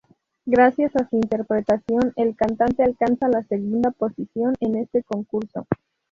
Gracias a su interpretación el cantante alcanza la segunda posición en este concurso.